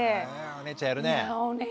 お姉ちゃんやるね。